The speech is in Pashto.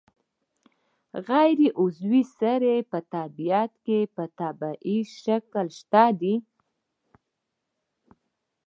غیر عضوي سرې په طبیعت کې په طبیعي شکل شته دي.